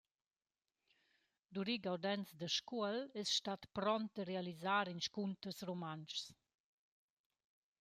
Duri Gaudenz da Scuol es stat pront da realisar «inscunters rumantschs».